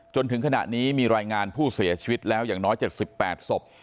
จนถึงขณะนี้มีรายงานผู้เสียชีวิตแล้วอย่างน้อย๗๘ศพ